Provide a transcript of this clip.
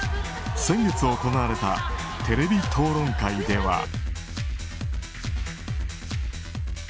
先月行われたテレビ討論会では。